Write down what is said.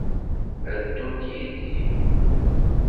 Ad ddunt yid-i?